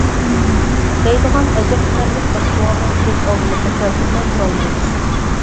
دەيدىغان ئەجەبلىنەرلىك بىر سوئالنى كۆز ئالدىمىزغا كەلتۈرمەي تۇرالمايمىز!